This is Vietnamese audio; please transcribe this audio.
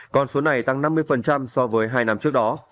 con số này tăng năm mươi so với hai năm trước đó